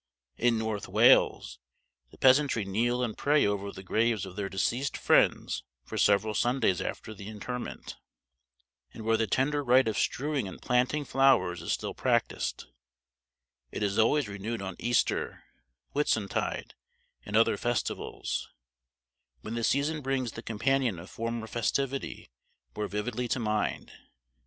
In North Wales the peasantry kneel and pray over the graves of their deceased friends for several Sundays after the interment; and where the tender rite of strewing and planting flowers is still practised, it is always renewed on Easter, Whitsuntide, and other festivals, when the season brings the companion of former festivity more vividly to mind.